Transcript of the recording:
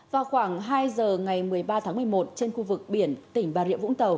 vào khoảng hai giờ ngày một mươi ba tháng một mươi một trên khu vực biển